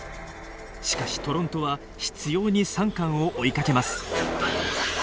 しかしトロントは執ようにサンカンを追いかけます。